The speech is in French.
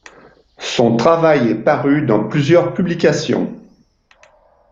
Son travail est paru dans plusieurs publications.